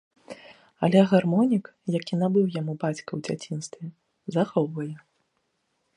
Але гармонік, які набыў яму бацька ў дзяцінстве, захоўвае.